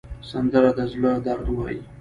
سندره د زړه درد وایي